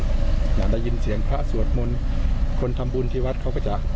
อยากได้ยินเสียงพระสวดมนต์คนทำบุญที่วัดเขาก็จะ